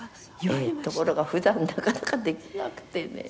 「ところが普段なかなかできなくてね」